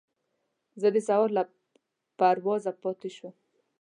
زه د سهار له پروازه پاتې شوم.